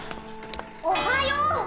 おはよう。